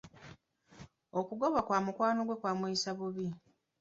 Okugobwa kwa mukwano gwe kwamuyisa bubi.